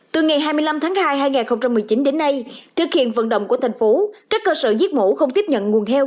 từ ngày hai mươi năm tháng hai hai nghìn một mươi chín đến nay thực hiện vận động của thành phố các cơ sở giết mổ không tiếp nhận nguồn heo